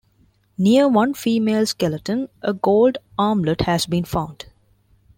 Near one female skeleton, a gold armlet has been found.